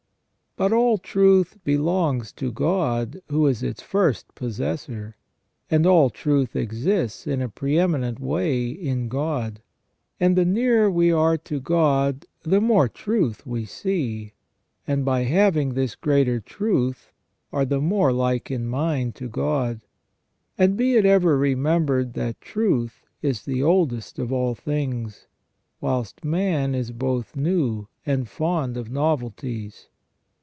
But all truth belongs to God, who is its first possessor. And all truth exists in a pre eminent way in God ; and the nearer we are to God the more truth we see, and by having this greater truth are the more like in mind to God. And be it ever remem bered that truth is the oldest of all things, whilst man is both new and fond of novelties.